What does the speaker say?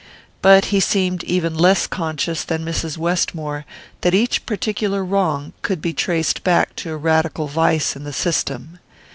But he seemed even less conscious than Mrs. Westmore that each particular wrong could be traced back to a radical vice in the system.